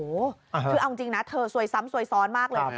คือเอาจริงนะเธอซวยซ้ำซวยซ้อนมากเลย